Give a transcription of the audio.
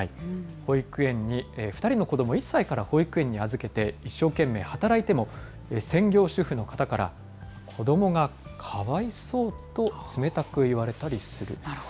保育園に２人の子ども、１歳から預けて一生懸命働いても、専業主婦の方から子どもがかわいそうと冷たく言われたりする。